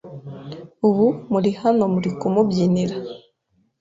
ubu muri hano muri kumubyinira